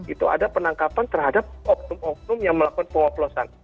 itu ada penangkapan terhadap hukum hukum yang melakukan penguapelosan